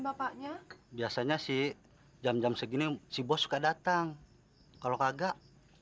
bapaknya biasanya si jam jam segini si bos suka datang kalau kagak